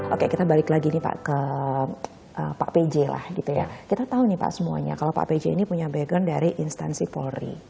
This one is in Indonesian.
oke kita balik lagi nih pak ke pak pj lah gitu ya kita tahu nih pak semuanya kalau pak pj ini punya background dari instansi polri